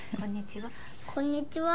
こんにちは。